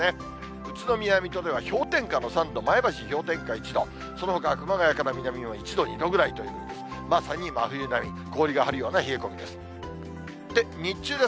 宇都宮、水戸では氷点下の３度、前橋氷点下１度、そのほか熊谷から南は１度、２度ぐらいという、まさに真冬並み、氷が張るような冷え込みです。